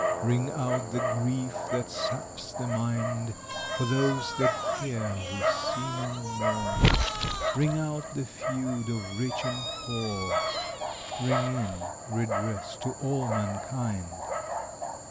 Ring out the grief that saps the mind, For those that here we see no more; Ring out the feud of rich and poor, Ring in redress to all mankind.